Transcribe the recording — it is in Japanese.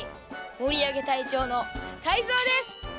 もりあげたいちょうのタイゾウです！